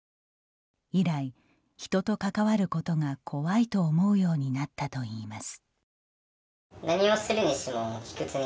以来、人と関わることが怖いと思うようになったといいます。